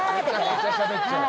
めっちゃしゃべっちゃう。